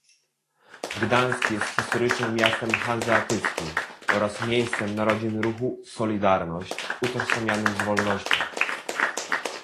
Gdańsk jest historycznie miastem hanzeatyckim oraz miejscem narodzin ruchu "Solidarność" utożsamianym z wolnością